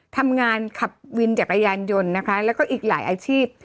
ทำงานขับวินจักรยานยนต์นะคะแล้วก็อีกหลายอาชีพ